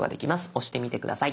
押してみて下さい。